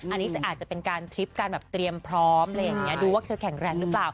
อันนี้อาจจะเป็นการทริปการเตรียมพร้อมดูว่าคือแข็งแรงหรือเปล่า